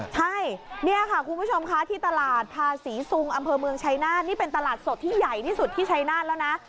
ใช่นี่ค่ะคุณผู้ชมค่ะที่ตลาดภาษีซุงอำเภอเมืองชัยนาธนี่เป็นตลาดสดที่ใหญ่ที่สุดที่ชัยนาธแล้วนะ